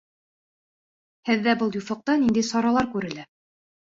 Һеҙҙә был юҫыҡта ниндәй саралар күрелә?